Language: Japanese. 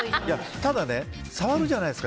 ただ触るじゃないですか。